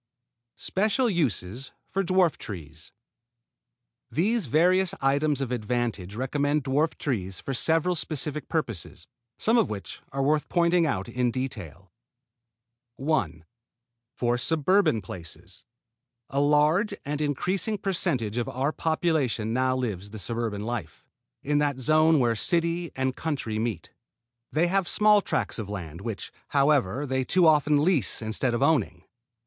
SPECIAL USES FOR DWARF TREES These various items of advantage recommend dwarf fruit trees for several specific purposes, some of which are worth pointing out in detail. 1. For suburban places. A large and increasing percentage of our population now lives the suburban life in that zone where city and country meet. They have small tracts of land, which, however, they too often lease instead of owning.